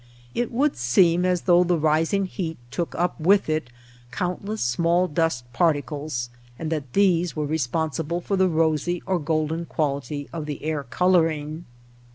It would seem as though the rising heat took up with it countless small dust particles and that these were respon sible for the rosy or golden quality of the air coloring.